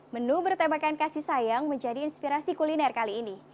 menu bertemakan kasih sayang menjadi inspirasi kuliner kali ini